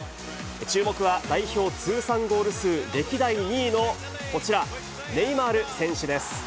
注目は、代表通算ゴール数歴代２位のこちら、ネイマール選手です。